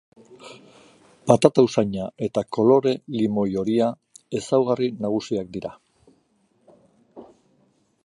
Patata usaina eta kolore limoi-horia ezaugarri nagusiak dira.